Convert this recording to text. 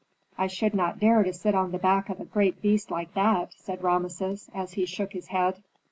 "I should not dare to sit on the back of a great beast like that," said Rameses, as he shook his head.